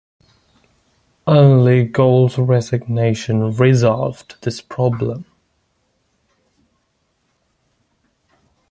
Only Gould’s resignation resolved this problem.